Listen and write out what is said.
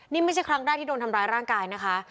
นี่ไม่ใช่ครั้งแรกที่โดนทำร้ายร่างกายนะคะ